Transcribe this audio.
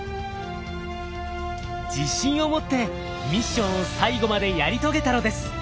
自信を持ってミッションを最後までやり遂げたのです。